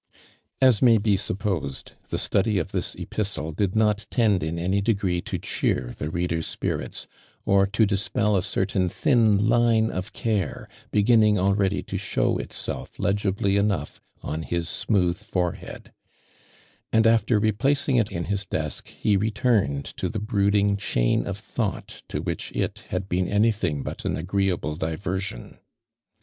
As may be supposed, the study of this epistle did not tend in any degree to cheer the reader's spirits, or to dispel a certain thin line of care, beginning ali'eady to show itself legibly enough on his smooth fore head ; and after replacing it in his desk he returned to the brooding cliain of thought to which it had been anything but an agree able diversion.